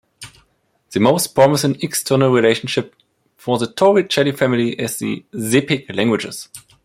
The most promising external relationship for the Torricelli family is the Sepik languages.